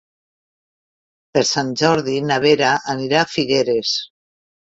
Per Sant Jordi na Vera anirà a Figueres.